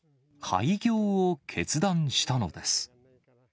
廃業を決断したのです。